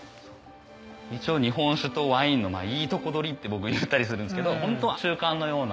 一応日本酒とワインのいいとこ取りって僕言ったりするんですけどホント中間のような。